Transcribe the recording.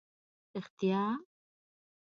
رېښتیا؟!